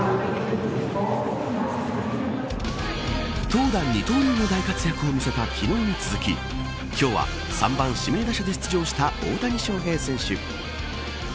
投打二刀流の大活躍を見せた昨日に続き今日は３番指名打者で出場した大谷翔平選手。